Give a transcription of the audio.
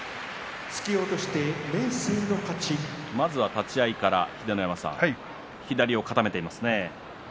立ち合いから秀ノ山さん、左を固めていますね。